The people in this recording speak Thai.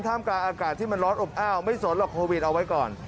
กลางอากาศที่มันร้อนอบอ้าวไม่สนหรอกโควิดเอาไว้ก่อน